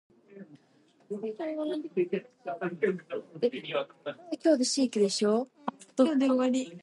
Some companies such as Buffalo Bore manufacture self-defense or hunting variants.